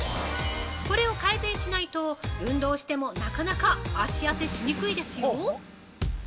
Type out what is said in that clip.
これを改善しないと、運動しても、なかなか脚痩せしにくいですよ。